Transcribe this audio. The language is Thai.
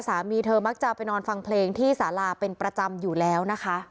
สามีเธอมักจะไปนอนฟังเพลงที่สาราเป็นประจำอยู่แล้วนะคะ